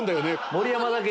盛山だけ。